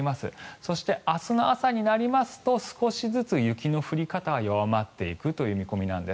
そして、明日の朝になりますと少しずつ雪の降り方は弱まっていくという見込みなんです。